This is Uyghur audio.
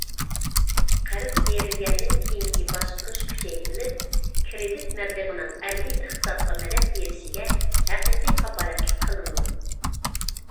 قەرز بېرىلگەندىن كېيىنكى باشقۇرۇش كۈچەيتىلىپ، كىرېدىت مەبلىغىنىڭ ئەمەلىي ئىقتىسادقا مەدەت بېرىشىگە ھەقىقىي كاپالەتلىك قىلىنىدۇ.